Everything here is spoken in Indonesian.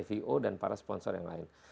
vo dan para sponsor yang lain